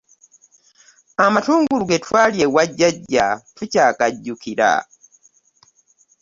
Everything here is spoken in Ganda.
Amatungulu ge twalya ewa jjajja tukyagajjukira.